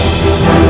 aku mau pergi